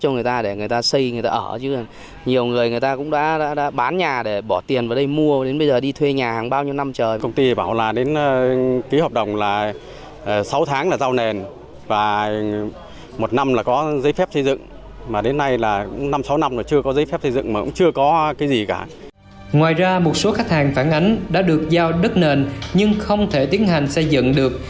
ngoài ra một số khách hàng phản ánh đã được giao đất nền nhưng không thể tiến hành xây dựng được